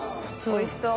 おいしそう。